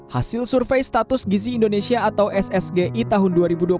hasil survei status gizi indonesia atau ssgi tahun dua ribu dua puluh